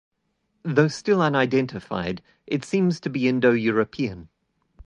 Though still unidentified, it seems to be Indo-European.